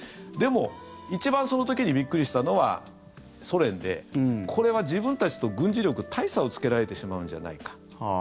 でも、一番その時にびっくりしたのは、ソ連でこれは自分たちと軍事力、大差をつけられてしまうんじゃないか。